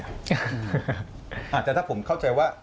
อาจจะถ้าผมเข้าใจว่า